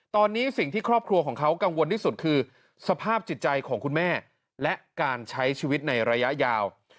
ตอนนี้สิ่งที่ครอบครัวของเขากังวลที่สุดคือสภาพจิตใจของคุณแม่และการใช้ชีวิตในระยะยาว